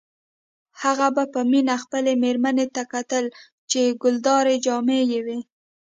هغه به په مینه خپلې میرمنې ته کتل چې ګلدارې جامې یې وې